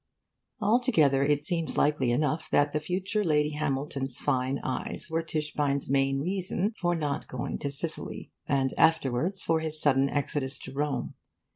Altogether, it seems likely enough that the future Lady Hamilton's fine eyes were Tischbein's main reason for not going to Sicily, and afterwards for his sudden exodus from Rome.